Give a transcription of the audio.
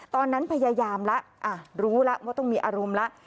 ตอนนั้นพยายามแล้วรู้แล้วว่าต้องมีอารมณ์แล้ว